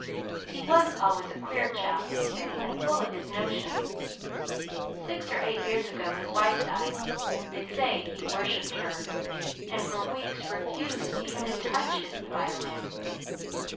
"He was always a queer chap, they say, and full of his notions. Six or eight years ago his wife died. They say he worshiped her, and for weeks refused even to touch his violin.